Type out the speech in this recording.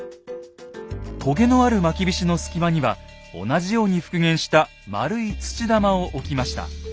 とげのあるまきびしの隙間には同じように復元した丸い土玉を置きました。